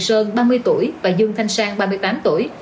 phạm trường sơn ba mươi tuổi và dương thanh sang ba mươi tám tuổi